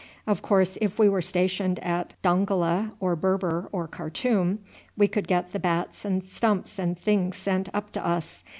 Of course if we were stationed at Dongola, or Berber, or Khartoum, we could get the bats and stumps and things sent up to us.